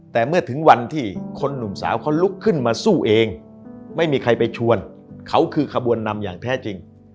แต่เมื่อถึงวันที่คนหนุ่มสาวเขาลุกขึ้นมาสู้เองไม่มีใครไปชวนเขาคือขบวนนำอย่างแท้จริง